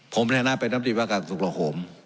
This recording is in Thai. ผมแหละนะเป็นน้ำจีบอากาศสุขโรโขม